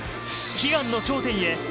悲願の頂点へ。